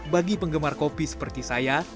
bagi penggemar kopi seperti saya